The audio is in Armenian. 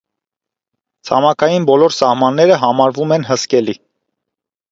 Ցամաքային բոլոր սահմանները համարվում են հսկելի։